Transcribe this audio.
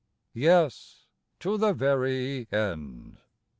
Yes, to the very end.